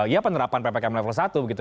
ya penerapan ppkm level satu begitu